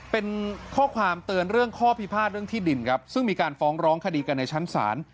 เป็นข้อความเตือนเรื่องข้อพิพาทเรื่องที่ดินครับซึ่งมีการฟ้องร้องคดีกันในชั้นศาล